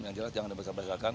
yang jelas jangan dibesar besarkan